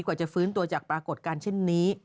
กว่าจะฟื้นตัวจากปรากฏการณ์เช่นนี้